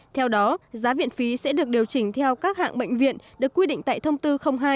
theo đó giá viện phí sẽ được điều chỉnh theo các hạng bệnh viện được quy định tại thông tư hai hai nghìn một mươi bảy